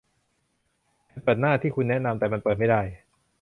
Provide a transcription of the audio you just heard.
ฉันเปิดหน้าที่คุณแนะนำ แต่มันเปิดไม่ได้